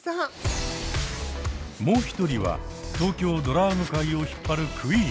もう一人は東京ドラァグ界を引っ張るクイーン。